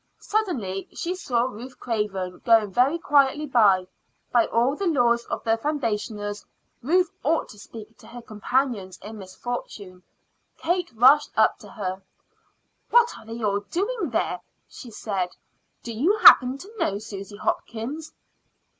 Suddenly she saw Ruth Craven going very quietly by. By all the laws of the foundationers, Ruth ought to speak to her companions in misfortune. Kate rushed up to her. "What are they all doing there?" she said. "Do you happen to know Susy Hopkins?"